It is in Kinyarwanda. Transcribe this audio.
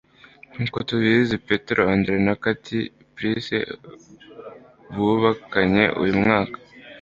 Nk'uko tubizi Petero Andre na Katie Price bubakanye uyu mwaka